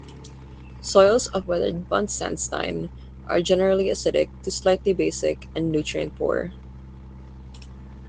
Soils of weathered Buntsandstein are generally acidic to slightly basic and nutrient-poor.